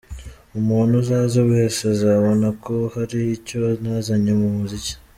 umuntu uzaza wese azabona ko hari icyo nazanye mu muziki.